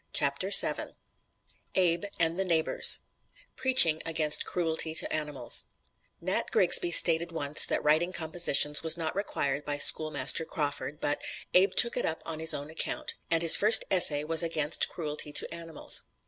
CHAPTER VII ABE AND THE NEIGHBORS "PREACHING" AGAINST CRUELTY TO ANIMALS Nat Grigsby stated once that writing compositions was not required by Schoolmaster Crawford, but "Abe took it up on his own account," and his first essay was against cruelty to animals.